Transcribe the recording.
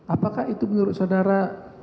apakah itu menurut saudara